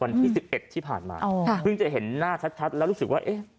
วันที่๑๑ที่ผ่านมาเพิ่งจะเห็นหน้าชัดแล้วรู้สึกว่าเอ๊ะ